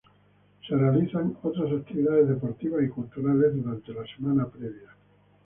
Se realizan otras actividades deportivas y culturales durante la semana previa.